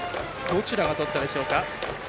どちらがとったでしょうか。